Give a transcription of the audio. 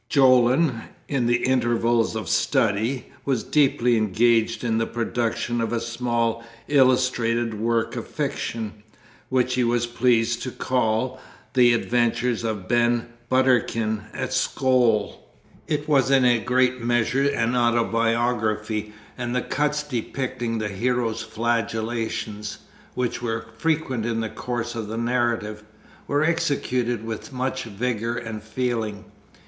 Jolland, in the intervals of study, was deeply engaged in the production of a small illustrated work of fiction, which he was pleased to call The Adventures of Ben Buterkin at Scool. It was in a great measure an autobiography, and the cuts depicting the hero's flagellations which were frequent in the course of the narrative were executed with much vigour and feeling.